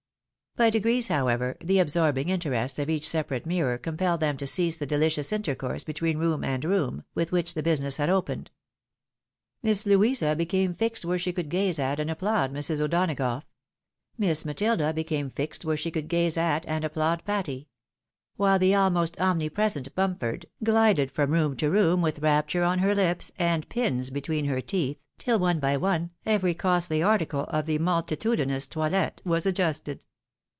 By degrees, however, the absorbing interests of each sepa rate mirror compelled them to cease the deUcious intercourse between room and room, with which the business had opened. Miss Louisa became fixed where she could gaze at and applaud Mrs. O'Donagough; Miss Matilda became fixed where she could gaze at and applaud Patty ; while the almost omnipresent Bump ford ghded from room to room, with rapture on her lips' and pins between her teeth, tiU, one by one, every costly article of the multitudinous toilet was adjusted.